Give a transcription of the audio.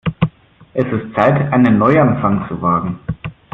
Es ist Zeit, einen Neuanfang zu wagen.